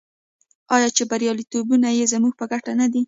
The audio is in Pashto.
آیا چې بریالیتوب یې زموږ په ګټه نه دی؟